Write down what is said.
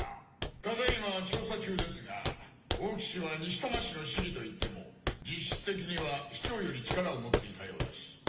ただ今調査中ですが大木は西多摩市の市議といっても実質的には市長より力を持っていたようです。